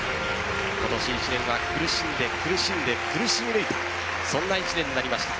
今年１年は苦しんで苦しんで苦しみ抜いたそんな１年になりました。